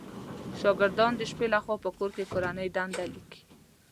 شاګردان د شپې لخوا په کور کې کورنۍ دنده ليکئ